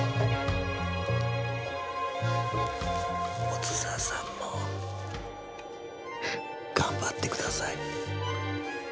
小豆沢さんも頑張ってください。